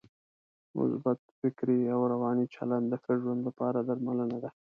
مثبت فکري او روانی چلند د ښه ژوند لپاره درملنه ده.